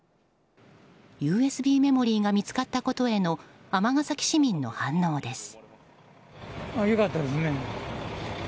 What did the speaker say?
ＵＳＢメモリーが見つかったことへの尼崎市民の反応です。